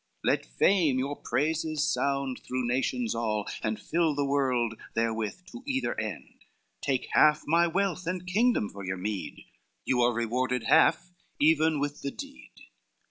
Let fame your praises sound through nations all, And fill the world therewith to either end, Take half my wealth and kingdom for your meed? You are rewarded half even with the deed."